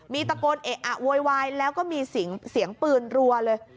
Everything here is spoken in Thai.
มีตะโกนเอะอะโวยวายแล้วก็มีเสียงปืนรัวเลย